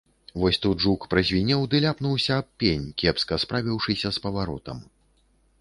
Вось тут жук празвінеў ды ляпнуўся аб пень, кепска справіўшыся з паваротам.